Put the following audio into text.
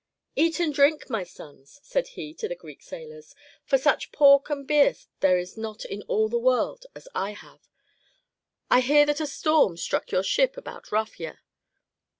"Eat and drink, my sons!" said he to the Greek sailors, "for such pork and beer there is not in all the world as I have. I hear that a storm struck your ship about Rafia?